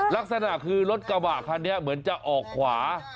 ลักษณะคือรถกระบะคันนี้เหมือนจะออกขวา